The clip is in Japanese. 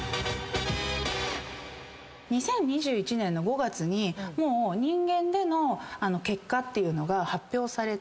２０２１年の５月にもう人間での結果っていうのが発表されて。